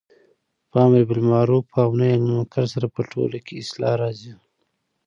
په امرباالمعرف او نهي عن المنکر سره په ټوله کي اصلاح راځي